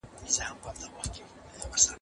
ډینامیک نظر د بریا راز دی.